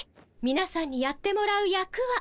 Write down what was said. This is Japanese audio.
みなさんにやってもらう役は。